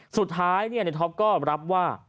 สุดท้ายในท็อปก็รับว่า